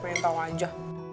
pengen tau aja